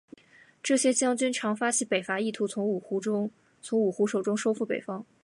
这些将军常发起北伐意图从五胡手中收复北方。